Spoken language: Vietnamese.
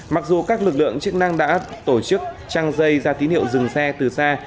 mặc dù các lực lượng chức năng đã tổ chức trang dây ra tín hiệu dừng xe từ xa